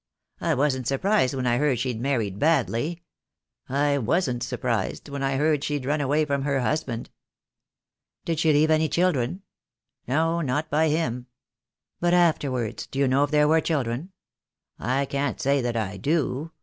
I wasn't surprised when I heard she'd married badly; I wasn't surprised when I heard she'd run away from her husband." "Did she leave any children?" "No, not by him." "But afterwards — do you know if there were children?" "I can't say that I do.